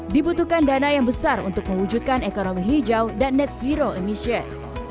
dibutuhkan dana yang besar untuk mewujudkan ekonomi hijau dan net zero emission